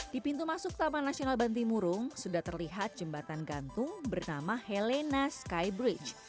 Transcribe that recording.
di pintu masuk taman nasional bantimurung sudah terlihat jembatan gantung bernama helena skybridge